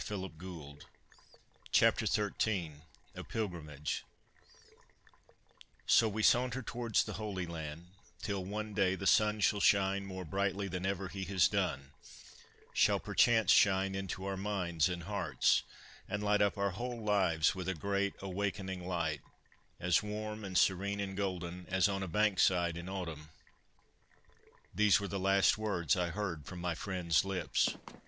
XIII A PILGRIMAGE XIII A PILGRIMAGE ' So we saunter towards the Holy Land, till one day the sun shall shine more brightly than ever he has done, shall perchance shine into our minds and hearts, and light up our whole lives with a great awakening light, as warm and serene and golden as on a bankside in autumn.' These were the last words I heard from my friend's lips.